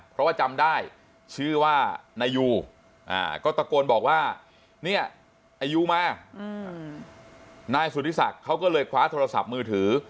เพราะว่าจำได้ชื่อว่านายูก็ตะโกนบอกว่าเนี่ยนายยูมานายสุธิศักดิ์เขาก็เลยคว้าโทรศัพท์มือถือ